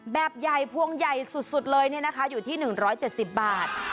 แบบใหญ่พวงใหญ่สุดเลยอยู่ที่๑๗๐บาท